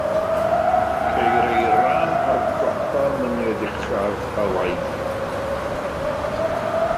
Ceir eira ar gopa mynydd uchaf Hawaii.